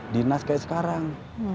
dinas kayak sekarang